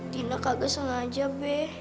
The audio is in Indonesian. dina kagak sengaja be